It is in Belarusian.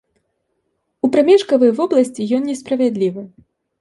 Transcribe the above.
У прамежкавай вобласці ён несправядлівы.